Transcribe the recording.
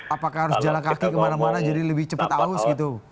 apakah harus jalan kaki kemana mana jadi lebih cepat aus gitu